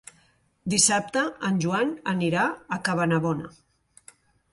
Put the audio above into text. Dissabte en Joan anirà a Cabanabona.